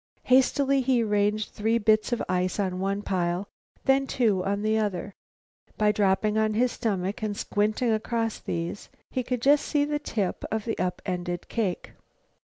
Hastily he arranged three bits of ice in one pile, then two in another. By dropping on his stomach and squinting across these, he could just see the tip of the up ended cake.